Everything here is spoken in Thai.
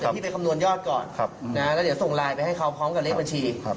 พี่ไปคำนวณยอดก่อนแล้วเดี๋ยวส่งไลน์ไปให้เขาพร้อมกับเลขบัญชี